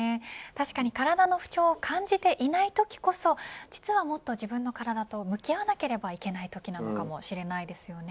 確かに体の不調を感じていないときこそ実はもっと自分の体と向き合わなければいけないかもしれません。